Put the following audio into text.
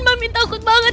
mbak min takut banget